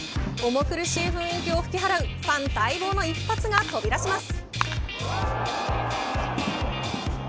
重苦しい雰囲気をふきはらうファン待望の一発が飛び出します。